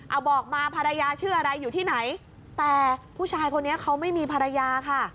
เอาบอกมาภรรยาชื่ออะไรอยู่ที่ไหนแต่ผู้ชายคนนี้เขาไม่มีภรรยาค่ะ